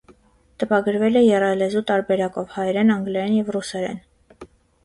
Տպագրվել է եռալեզու տարբերակով՝ հայերեն, անգլերեն և ռուսերեն։